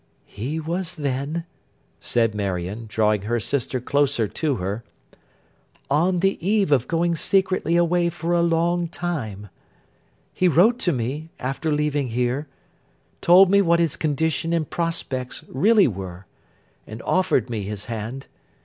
'He was then,' said Marion, drawing her sister closer to her, 'on the eve of going secretly away for a long time. He wrote to me, after leaving here; told me what his condition and prospects really were; and offered me his hand.